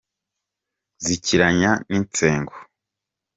Zikiranya n’insengo